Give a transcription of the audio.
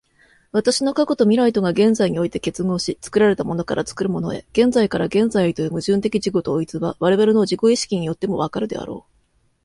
私の過去と未来とが現在において結合し、作られたものから作るものへ、現在から現在へという矛盾的自己同一は、我々の自己意識によっても分かるであろう。